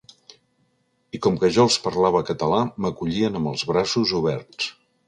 I com que jo els parlava català, m’acollien amb els braços oberts!